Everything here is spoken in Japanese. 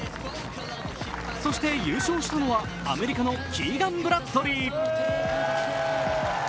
そして優勝したのはアメリカのキーガン・ブラッドリー。